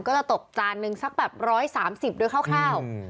ก็จะตกจานนึงสักแบบ๑๓๐ด้วยคร่าว